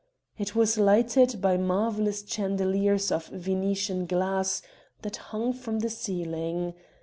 It was lighted by marvellous chandeliers of Venetian glass that hung from the ceiling.